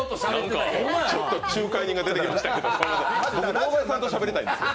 ちょっと仲介人が出てきましたけど堂前さんとしゃべりたいんですよ。